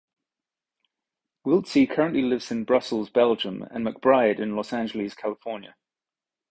Wiltzie currently lives in Brussels, Belgium, and McBride in Los Angeles, California.